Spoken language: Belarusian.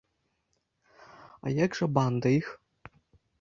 А як жа банда іх?